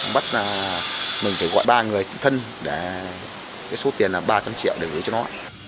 bắt mình phải gọi ba người thân để cái số tiền là ba trăm linh triệu để gửi cho nó